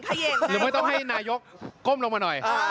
หรือไม่ต้องให้นายกก้มลงมาหน่อย